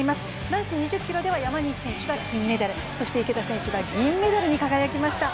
男子２０ｋｍでは山西選手が金メダルそして池田選手が銀メダルに輝きました。